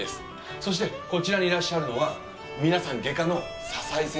そしてこちらにいらっしゃるのは皆さん外科の佐々井先生